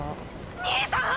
兄さん！？